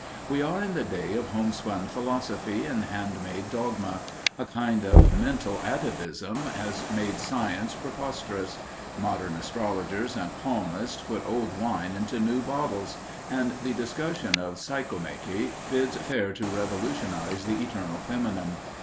We are in the day of homespun philosophy and hand made dogma. A kind of mental atavism has made science preposterous; modern astrologers and palmists put old wine into new bottles, and the discussion of Psychomachy bids fair to revolutionize the Eternal Feminine.